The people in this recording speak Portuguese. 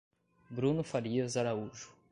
Bruno Farias Araújo